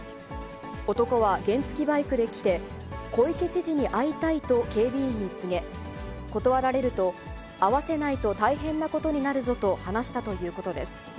男は原付きバイクで来て、小池知事に会いたいと警備員に告げ、断られると、会わせないと大変なことになるぞと話したということです。